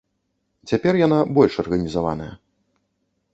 Цяпер яна больш арганізаваная.